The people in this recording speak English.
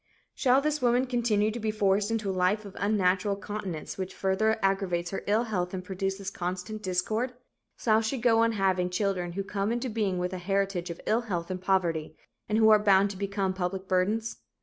Shall this woman continue to be forced into a life of unnatural continence which further aggravates her ill health and produces constant discord? Shall she go on having children who come into being with a heritage of ill health and poverty, and who are bound to become public burdens?